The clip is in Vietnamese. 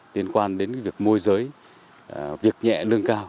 liên quan đến việc môi giới việc nhẹ lương cao